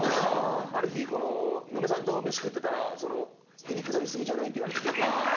ある日嫁さんと飯食ってたら「へりくだり過ぎじゃない？」って言われて逆に。